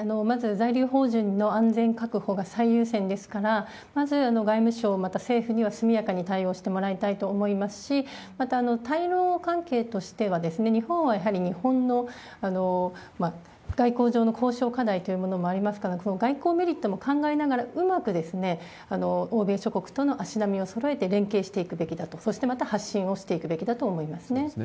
まず、在留邦人の安全確保が最優先ですから、まず外務省、また政府には速やかに対応してもらいたいと思いますし、また、対ロ関係としては、日本はやはり日本の外交上の交渉課題というものもありますから、この外交メリットも考えながら、うまく欧米諸国との足並みをそろえて連携していくべきだと、そしてまた発信をしていくべきだと思いますね。